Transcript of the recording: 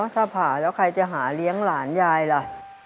ถ้าผ่าแล้วใครจะหาเลี้ยงหลานยายล่ะ